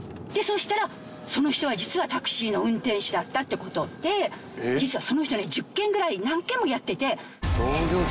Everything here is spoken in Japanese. そしたらその人は実はタクシーの運転手だったってことで実はその人１０件ぐらい何件もやっていて。